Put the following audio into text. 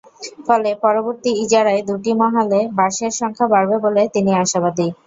ফলে পরবর্তী ইজারায় দুটি মহালে বাঁশের সংখ্যা বাড়বে বলে তিনি আশাবাদী।